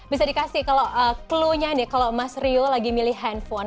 bisa dikasih kalau clue nya nih kalau mas rio lagi milih handphone